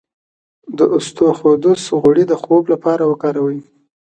د اسطوخودوس غوړي د خوب لپاره وکاروئ